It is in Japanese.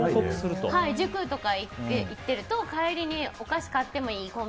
塾とか行ってると、帰りにお菓子買ってもいい？